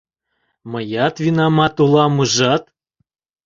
Мыят винамат улам, ужат?